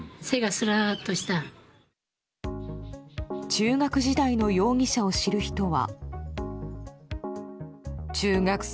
中学時代の容疑者を知る人は。